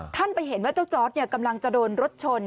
ไปเห็นว่าเจ้าจอร์ดกำลังจะโดนรถชน